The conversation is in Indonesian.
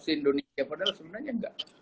indonesia padahal sebenarnya tidak